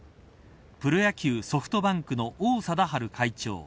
プロ野球ソフトバンクの王貞治会長